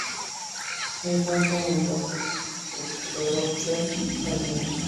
Se encuentran en bosques esclerófilos y jardines.